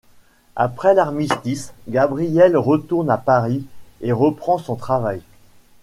Après l'armistice, Gabrielle retourne à Paris et reprend son travail.